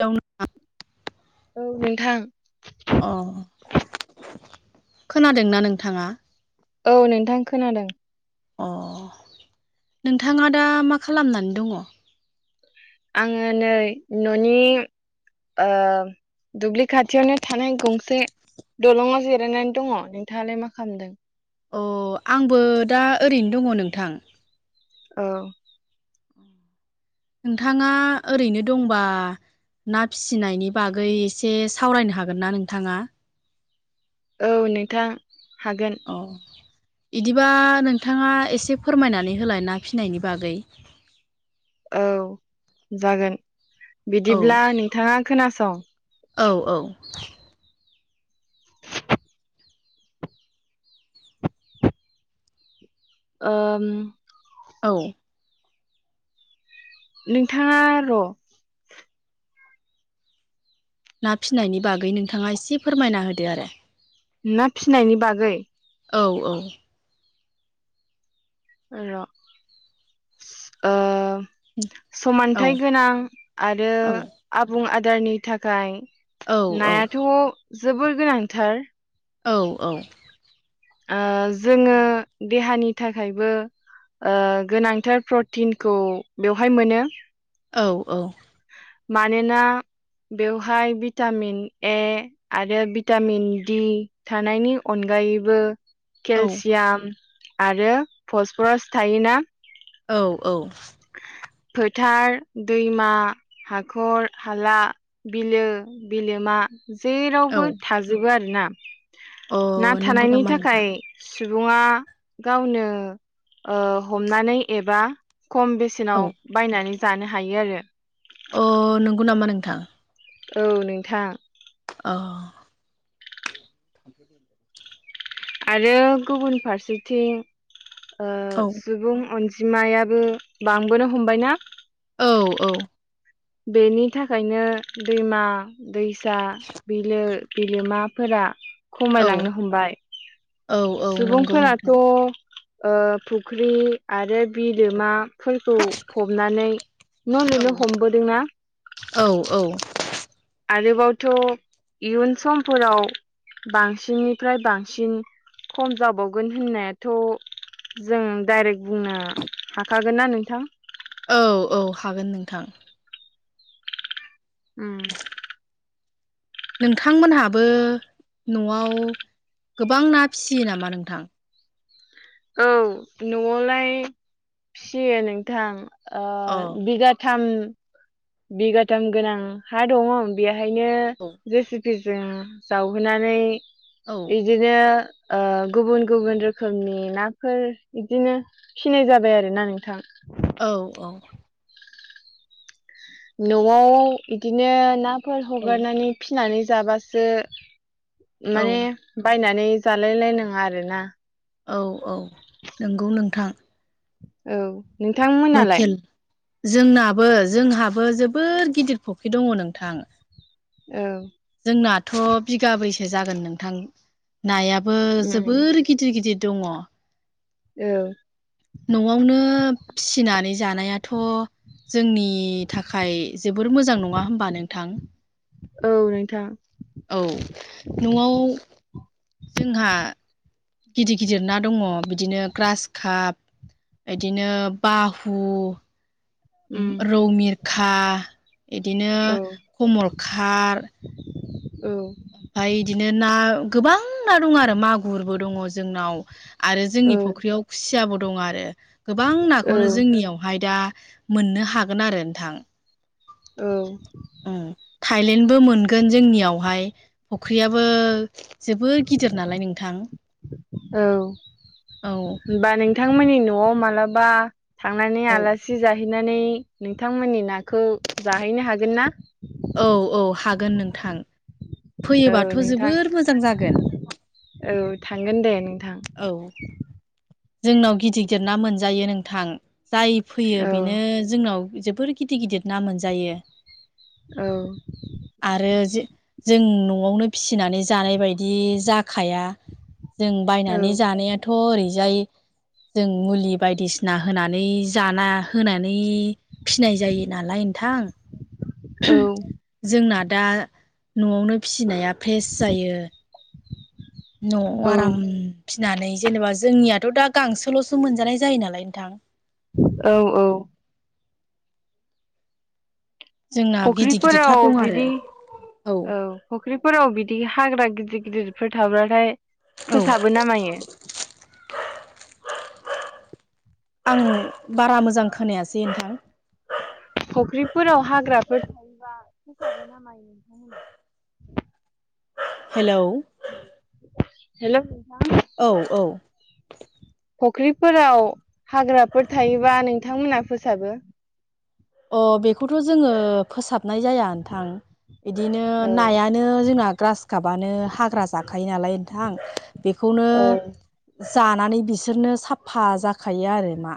[unintelligible] औ नोंथां अ खोनादोंना नोंथाङा औ नोंथां खोनादों? अ नोंथाङा दा मा खालामनानै दङ। आङो नै न'नि दुब्लि खाथियावनो थानाय गंसे दलङाव जिरायनानै दङ नोंथाङालाय मा खालामदों? अ आंबो दा ओरैनो दङ नोंथां? औ नोंथाङा ओरैनो दंबा? ना फिसिनायनि बागै एसे सावरायनो हागोन ना नोंथाङा? औ नोंथां हागोन औ बिदिबा नोंथाङा एसे फोरमायनानै होलाय ना फिनायनि बागै औ जागोन औ बिदिब्ला नोंथाङा खोनासं। औ औ ओम औ नोंथाङा र' ना फिसिनायनि बागै नोंथाङा एसे फोरमायना होदो आरो। ना फिनायनि बागै औ औ र' ओ औ समानथाइ गोनां आरो औ आबुं आदारनि थाखाय औ नायाथ' जोबोर गोनांथार। औ औ ओ जोङो देहानि थाखायबो ओ गोनांथार प्रटिनखौ बेवहाय मोनो। औ औ मानोना बेवहाय भिटामिन ए आरो भिटामिन डि थानायनि अनगा गायैबो केलसियाम आरो फसफरास थायोना औ औ फोथार दैमा हाखर हाला बिलो बिलोमा जेरावबो औ थाजोबो आरोना अ ना नंगौ थानायनि नामा नोंथां थाखाय सुबुङा गावनो ओ हमनानै एबा खम औ बेसेनाव बायनानै जानो हायो आरो। अ नंगौ नामा नोंथां? औ नोंथां अ थ [unintelligible] आरो गुबुन फारसेथिं ओ औ सुबुं अनजि मायाबो बांबोनो हमबायना औ औ बेनि थाखायनो दैमा दैसा बिलो बिलोमाफोरा औ खमायलांनो हमबाय औ औ नंगौ सुबुंफोराथ' नोंथां ओ फुख्रि आरो बिलोमाफोरखौ फबनानै न' औ लुनो हमबो। औ औ आरोबावथ' इयुन समफोराव बांसिननिफ्राय बांसिन खम जाबावगोन होननायाथ' जों डाइरेक्ट बुंनो हाखागोन ना नोंथां? औ औ हागोन नोंथां। ओम नोंथांमोनहाबो न'आव गोबां ना फिसियो नामा नोंथां? औ न'आवलाय फियो नोंथां ओ अ बिगाथा थाम बिगाथाम गोनां हा दङ बेहायनो औ जेसे फ्रिजों [unintelligible] जावहोनानै औ बिदिनो ओ गुबुन गुबुन रोखोमनि नाफोर बिदिनो फिनाय जाबाय आरो ना नोंथां औ औ न'आव बिदिनो नाफोर औ हगारनानै फिनानै जाबासो औ माने बायनानै जालायलाय नाङा आरोना औ औ नंगौ नोंथां औ नोंथांमोनालाय लकेल जोंनाबो जोंहाबो जोबोर गिदिर फख्रि दङ नोंथां औ जोंनाथ' बिगाब्रैसो जागोन नोंथां नायाबो उम जोबोर गिदिर गिदिर दङ औ न'आवनो फिसिनानै जानायाथ' जोंनि थाखाय जोबोर मोजां नङा होमबा नोंथां औ नोंथां औ न'आव जोंहा गिदिर गिदिर ना दङ बिदिनो ग्रास काप बिदिनो बाहु उम रौमिरखा बिदिनो औ कमलखाट औ ओमफ्राय बिदिनो ना गोबां ना दङ आरो मागुरबो दङ जोंनाव आरो औ जोंनि फख्रियाव खुसियाबो दं आरो गोबां औ नाखौनो जोंनियावहाय दा मोननो हागोन आरो नोंथां औ थायलेण्डबो मोनगोन जोंनियावहाय फुख्रियाबो जोबोद गिदिर नालाय नोंथां औ औ होमबा नोंथांमोननि न'आव मालाबा थांनानै औ आलासि जाहैनानै नोंथांमोननि ना खौ जाहैनो हागोन ना औ औ हागोन नोंथां औ फैयोबाथ' नोंथां जोबोर मोजां जागोन औ थांगोन दे नों औ जोंनाव गिदिर गिदिर ना मोनजायो नोंथां जाय फैयो औ बेनो जोंनाव जोबोर गिदिर गिदिर ना मोनजायो औ आरो जि जों न'आवनो फिसिनानै जानाय बायदि जाखाया जों औ बायनानै जानायाथ' ओरै जाय जों मुलि बायदिसिना होनानै जाना होनानै बे फिनाय जायो नालाय नोंथां औ जोंना दा न'आवनो फिसिनाया फ्रेस जायो न'आव औ आराम फिनानै जेनेबा जोंनिया थ' दा गांसोल'सो मोनजानाय जायो नालाय नोंथां औ औ जोंना गिदिर गिदिरथार फख्रिफोराव दं आरो बिदि औ फख्रिफोराव बिदि हाग्रा गिदिर गिदिरफोर थाब्लाथाय औ फोसाबो ना मायो आं बारा मोजां खोनायासै नोंथां फुख्रिफोराव हाग्राफोर थायोबा फोसाबो नामायो नोंथांमोना हेलौ हेल' औ औ फुख्रिफोराव हाग्राफोर थायोबा नोंथांमोना फोसाबो अ बेखौथ' जोङो फोसाबनाय जाया नोंथां बिदिनो औ नायानो जोंना ग्रासखाबानो हाग्रा जाखायो नालाय नोंथां बेखौ नो औ जानानै बिसोरनो साफा जाखायो आरो मा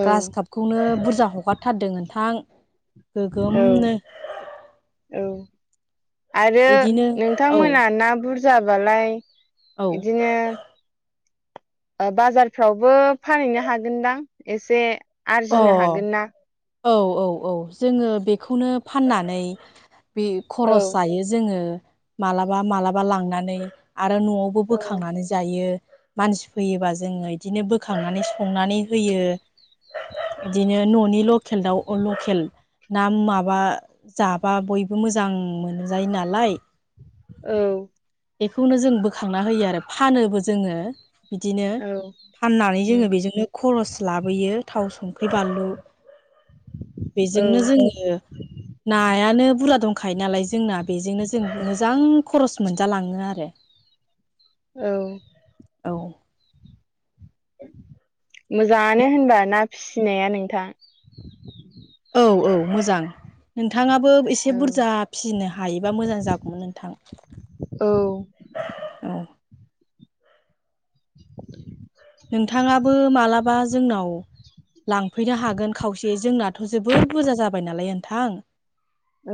औ ग्रास कापखौनो बुरजा हगारथारदों नोंथां औ गोगोमनो औ आरो इदिनो औ नोंथांमोना ना बुरजाबालाय औ बिदिनो बाजारफ्रावबो फानहैनो हागोनदां एसे अ आरजिनो हागोन ना औ औ औ जोङो बेखौनो फाननानै बे औ खरस जायो जोङो मालाबा मालाबा लांनानै आरो न'आवबो औ बोखांनानै जायो मानसि फैयोबा जोङो इदिनो बोखांनानै संनानै होयो बिदिनो न'नि लकेल दाउ लकेल ना माबा जाबा बयबो मोजां मोनजायो नालाय औ बेखौनो जों बोखांना होयो आरो फानोबो जोङो बिदिनो औ फाननानै उम जोङो बेजोंनो ख'रस लाबोयो थाव संख्रि बानलु औ बेजोंनो जोङो नायानो बुरजा दंखायो नालाय जोंना बेजोंनो जों मोजां खर'स मोनजालाङो आरो औ औ मोजाङानो होनबा ना फिसिनाया नोंथाङ औ औ मोजां नोंथा थाङाबो एसे औ बुरजा फिसिनो हायोबा मोजां जागौमोन नोंथां औ औ [inaudible] नोंथाङाबो मालाबा जोंनाव लांफैनो हागोन खावसे जोंनाथ' जोबोर बुरजा जाबाय नालाय नोंथां औ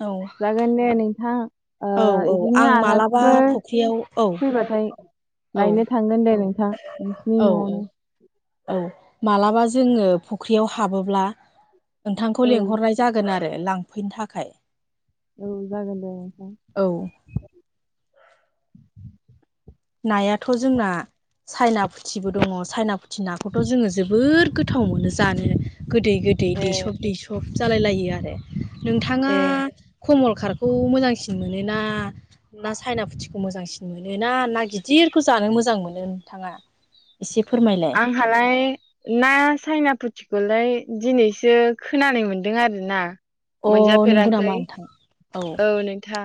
औ जागोन दे नोंथां ओ औ औ बिदिनो आं मालाबा आलासिफोर फुख्रियाव औ फैबाथाय औ लायनो थांगोन दे नों नोंसिनि औ औ न'वावनो औ मालाबा जोङो फुख्रियाव हाबोब्ला नोंथांखौ औ लेंहरनाय जागोन आरो लांफैनो थाखाय औ जागोनदे नोंथां औ नायाथ' जोंना सायना फुथिबो दङ' सायना फुथि ना खौथ' जोङो जोबोर गोथाव मोनो जानो गोदै गोदै ए दैसब दैसब जालाय लायो आरो नोंथाङा ए कमलखारखौ मोजांसिन मोनोना ना साइना फुथिखौ मोजांसिन मोनोना ना गिदिरखौ जानो मोजां मोनो नोंथाङा इसे आंहालाय ना साइना फु थिखौलाय दिनैसो खोनानो मोनदों आरो ना अ नंगौ नामा मोनजाफेराखै नोंथां औ नोंथां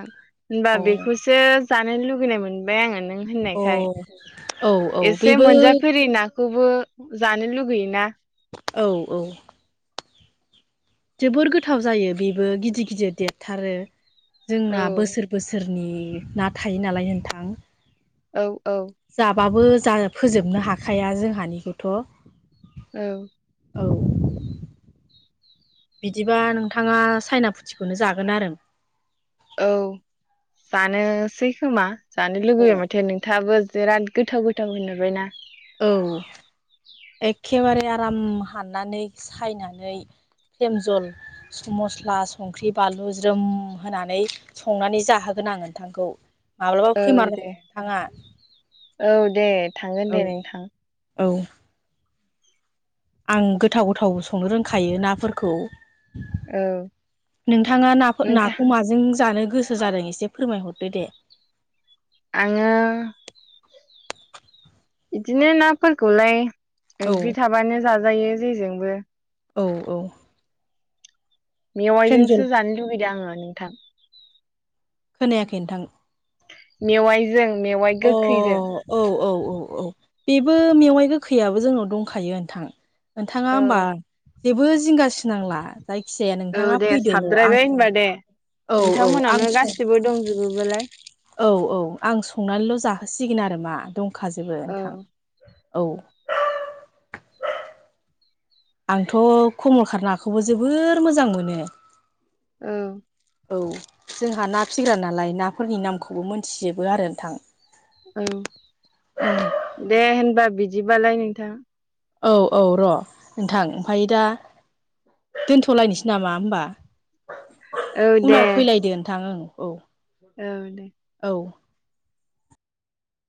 होनबा औ बेखौसो जानो लुुबैनाय मोनबाय आङो नों औ होननायखाय औ औ एसे बेबो मोनजाफेरि ना खौबो जानो लुगैयोना औ औ जोबोर गोथाव जायो बेबो गिदिर गिदिर देरथारो औ जोंना बोसोर बोसोर नि ना थायो नालाय नोंथां औ औ जाबाबो जा फोजोबनो हाखाया जोंहानिखौथ औ औ बिदिबा नोंथाङा चाइना फुथिखौनो जागोन आरो औ जानोसै खोमा जानो लुुबैबाय माथो नोंथाङाबो बिराद गोथाव गोथावबो होनहरबाय ना। औ एखेबारे आराम हाननानै सायनानै फ्रेम जल मस्ला संख्रि बानलु ज्रोम होनानै संनानै जाहोगोन गोन नोंथांखौ माब्लाबा औ दे फैमारनांगोन नोंथांङा। औ दे थांगोन दे नोंथां। औ आं गोथाव गोथाव संनो रोंखायो नाफोरखौ। औ नोंथाङा नाफो नोंथां नांगौ माजों जानो गोसो जादों एसे फोरमायहरदो दे। आंङो बिदिनो नाफोरखौलाय औ ओंख्रि थाबानो जाजायो जेजोंबो औ औ फ्रेम जल मेवाइजोंसो जानो लुबैदों आंङो नोंथां। खोनायाखै नोंथां। मेवाइजों। मेवाइ अ गोखैजों औ औ औ औ बेबो मेवाइ गोखैयाबो जोंनाव दंखायो नोंथां नोंथांङा औ होमबा जेबो जिंगासिनांला जायखिजाया औ नोंथांङा दे फैदोल आं साबद्रायबाय होनबा दे औ औ आं नोंथांमोनावनो सं गासिबो दंजोबो बोलाय औ औ आं संनानैल जाहोसिगोन आरो मा दंखाजोबो औ नोंथां। औ आंथ कमलखर नाखौबो जोबोर मोजां मोनो। औ औ जोंहा ना फिग्रा नालाय नाफोरनि नामखौबो मोनथिजोबो आरो नोंथां। औ दे होनबा बिदिबालाय नोंथां। औ औ र नोंथां ओमफाय दा दोनथ'लायनोसै नामा होमबा? औ दे उनाव फैलायदो नोंथां औ औ औ दे औ